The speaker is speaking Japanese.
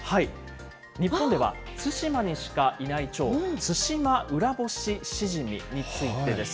日本では対馬にしかいないチョウ、ツシマウラボシシジミについてです。